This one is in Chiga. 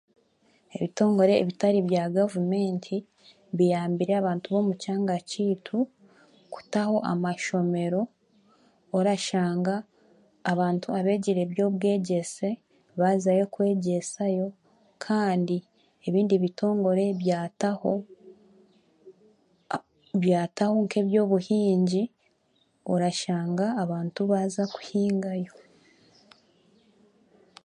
Ebitongore ebitari bya gavumenti biyambire abantu omu kyanga kyaitu kutaho amashomero orashanga abantu abeegire obwegyese baazayo kwegyesayo kandi ebindi bitongore byataho nk'eby'obuhingi orashanga abantu baaza kuhingayo